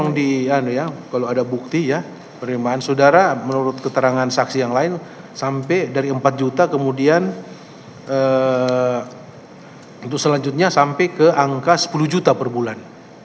memang di kalau ada bukti ya penerimaan saudara menurut keterangan saksi yang lain sampai dari empat juta kemudian untuk selanjutnya sampai ke angka sepuluh juta per bulan